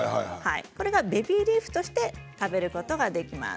これはベビーリーフとして食べることができます。